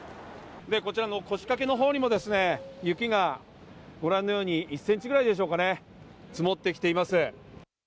こちらの腰かけのほうにも雪がご覧のように１ｃｍぐらいでしょうか、積もってきています。